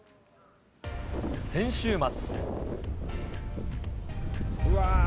先週末。